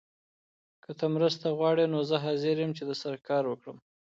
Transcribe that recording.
که ته مرسته غواړې نو زه حاضر یم چي درسره کار وکړم.